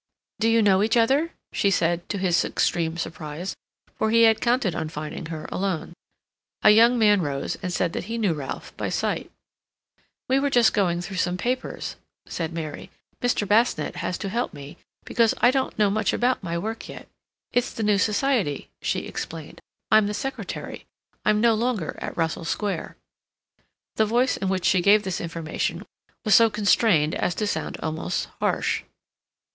"Do you know each other?" she said, to his extreme surprise, for he had counted on finding her alone. A young man rose, and said that he knew Ralph by sight. "We were just going through some papers," said Mary. "Mr. Basnett has to help me, because I don't know much about my work yet. It's the new society," she explained. "I'm the secretary. I'm no longer at Russell Square." The voice in which she gave this information was so constrained as to sound almost harsh.